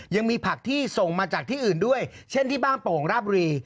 ยังมีผักที่ส่งมาจากที่อื่นด้วยเช่นที่บ้านโป่งราบบุรี